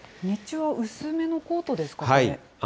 日中は薄めのコートですか、これ。